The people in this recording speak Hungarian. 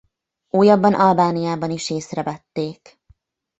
Újabban Albániában is észrevették.